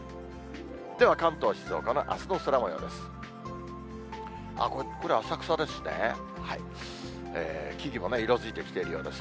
では、関東、静岡のあすの空もようです。